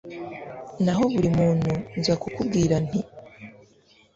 naho buri muntu nza kukubwira nti